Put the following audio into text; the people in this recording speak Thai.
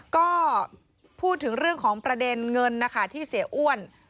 ก็พูดถึงเรื่องของประเด็นเงินนะคะที่เสียอ้วน